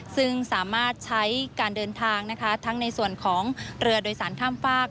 ซึ่งสามารถใช้การเดินทางนะคะทั้งในส่วนของเรือโดยสารข้ามฝาก